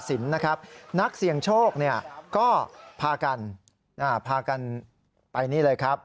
กระสินนะครับนักเสี่ยงโชคเนี่ยก็พากันพากันไปนี่เลยครับ